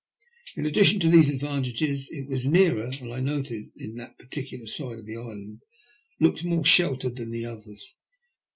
In addition to these advan tages it was nearer, and I noted that that particular side of the island looked more sheltered than the others.